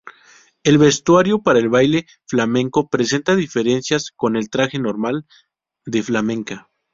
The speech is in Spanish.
El vestuario para el baile flamenco presenta diferencias con el traje "normal" de flamenca.